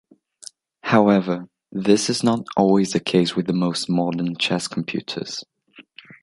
However, this is not always the case with the most modern chess computers.